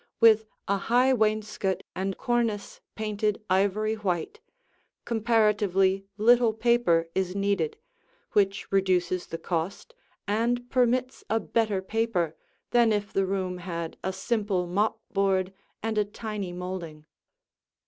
With a high wainscot and cornice painted ivory white, comparatively little paper is needed, which reduces the cost and permits a better paper than if the room had a simple mopboard and a tiny molding.